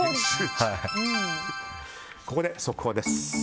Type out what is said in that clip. ここで速報です。